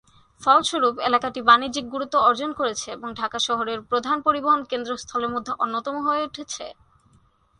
ফলস্বরূপ, এলাকাটি বাণিজ্যিক গুরুত্ব অর্জন করেছে এবং ঢাকা শহরের প্রধান পরিবহন কেন্দ্রস্থলের মধ্যে অন্যতম হয়ে উঠেছে।